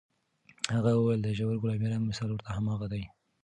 هغه وویل، د ژور ګلابي رنګ مثال ورته هماغه دی.